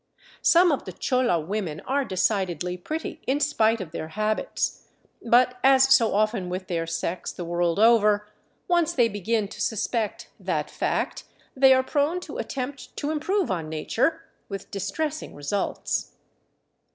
Some of the chola women are decidedly pretty, in spite of their habits ; but, as so often with their sex the world over, once they begin to suspect that fact they are prone to attempt to improve on nature, with dis tressing results.